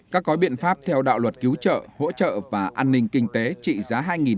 các gói biện pháp theo đạo luật cứu trợ hỗ trợ và an ninh kinh tế trị giá hai hai trăm linh